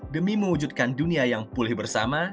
demi mewujudkan dunia yang pulih bersama